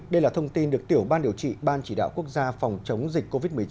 đây là thông tin được tiểu ban điều trị ban chỉ đạo quốc gia phòng chống dịch covid một mươi chín